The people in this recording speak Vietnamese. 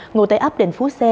ngồi tại ấp đình phú xe